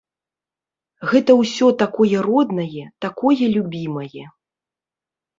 Гэта ўсё такое роднае, такое любімае.